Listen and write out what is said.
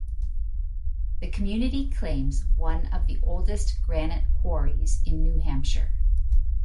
The community claims one of the oldest granite quarries in New Hampshire.